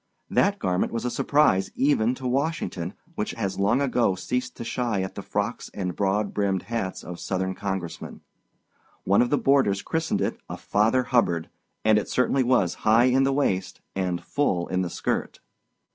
That garment was a surprise even to Washington, which has long ago ceased to shy at the frocks and broad brimmed hats of Southern Congressmen. One of the boarders christened it a "Father Hubbard," and it certainly was high in the waist and full in the skirt.